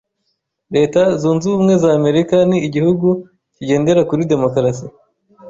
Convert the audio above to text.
Leta zunzubumwe z'Amerika ni igihugu kigendera kuri demokarasi.